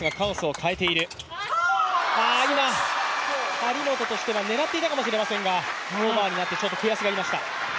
張本としては狙っていたかもしれませんが、オーバーになってちょっと悔しがりました。